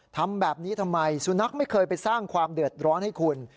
ทำแบบนี้ทำไมสุนัขไม่เคยไปสร้างความเดือดร้อนให้คุณ